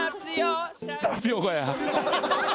タピオカや。